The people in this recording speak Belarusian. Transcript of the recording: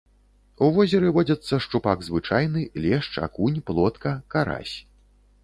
У возеры водзяцца шчупак звычайны, лешч, акунь, плотка, карась.